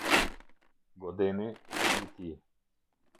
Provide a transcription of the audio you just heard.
Godeni, Viti